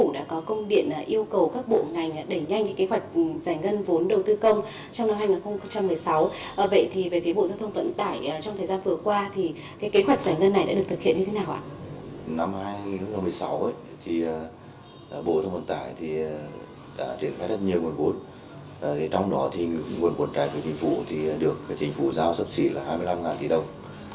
trong đó nguồn vốn trải của chính phủ được chính phủ giao sắp xỉ là hai mươi năm tỷ đồng